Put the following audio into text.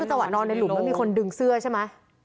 ตอนในหลุมมันมีคนดึงเสื้อใช่ไหม